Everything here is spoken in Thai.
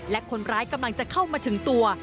และคนร้ายกำลังจะเข้ามาถึงตัว